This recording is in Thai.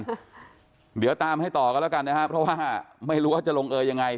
เดี๋ยวตามให้ต่อกันแล้วกันนะครับเพราะว่าไม่รู้ว่าจะลงเอยยังไง